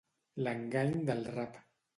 L'engany del rap.